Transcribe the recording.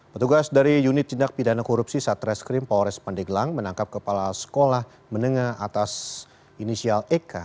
petugas dari unit tindak pidana korupsi satreskrim polres pandeglang menangkap kepala sekolah menengah atas inisial eka